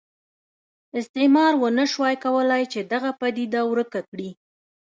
استعمار ونه شوای کولای چې دغه پدیده ورکه کړي.